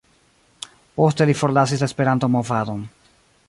Poste li forlasis la Esperanto-movadon.